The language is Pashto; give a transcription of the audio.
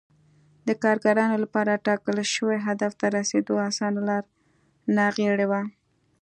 د کارګرانو لپاره ټاکل شوي هدف ته رسېدو اسانه لار ناغېړي وه